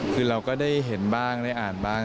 คือเราก็ได้เห็นบ้างได้อ่านบ้าง